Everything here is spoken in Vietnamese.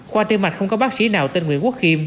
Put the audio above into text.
khoa tiêm mạch không có bác sĩ nào tên nguyễn quốc khiêm